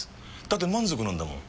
だって満足なんだもん。